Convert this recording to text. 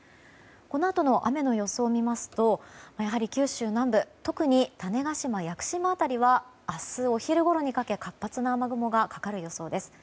このあとの雨の予想を見ますとやはり九州南部の特に種子島、屋久島辺りは明日お昼ごろにかけ活発な雨雲がかかる予想です。